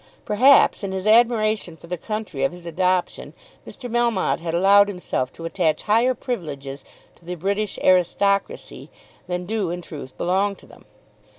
Perhaps in his admiration for the country of his adoption Mr. Melmotte had allowed himself to attach higher privileges to the British aristocracy than do in truth belong to them.